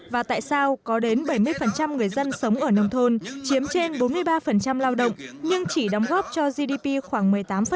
và tại sao có đến bảy mươi người dân sống ở nông thôn chiếm trên bốn mươi ba lao động nhưng chỉ đóng góp cho gdp khoảng một mươi tám